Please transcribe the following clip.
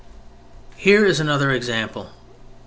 Here is another example.